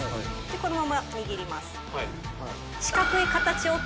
このまま握ります。